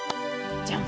じゃん。